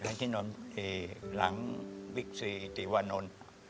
อยู่ที่นนทบุรีหลังวิศีติวณนล